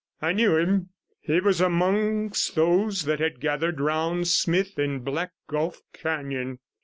I knew him; he was amongst those that had gathered round Smith in Black Gulf Canon.